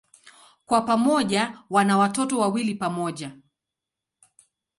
Kwa pamoja wana watoto wawili pamoja.